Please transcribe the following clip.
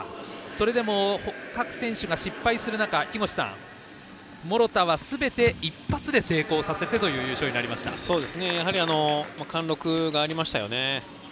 それでも各選手が失敗する中木越さん諸田はすべて一発で成功させてという貫禄がありましたよね。